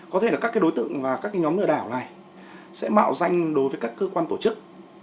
có thể là các đối tượng và các nhóm lừa đảo này sẽ mạo danh đối với các cơ quan tổ chức